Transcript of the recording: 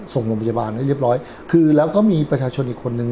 ส่งโรงพยาบาลให้เรียบร้อยคือแล้วก็มีประชาชนอีกคนนึง